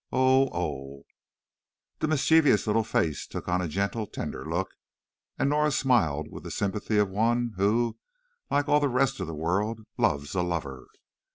Ohé, oho!" The mischievous little face took on a gentle, tender look and Norah smiled with the sympathy of one who, like all the rest of the world, loves a lover.